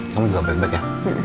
kamu juga baik baik ya